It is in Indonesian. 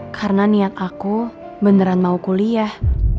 karena niat aku beneran mau kuliah